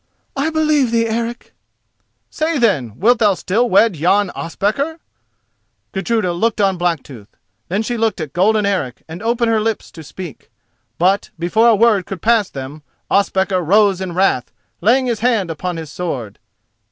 "I believe thee, Eric." "Say then, wilt thou still wed yon Ospakar?" Gudruda looked on Blacktooth, then she looked at golden Eric and opened her lips to speak. But before a word could pass them Ospakar rose in wrath, laying his hand upon his sword.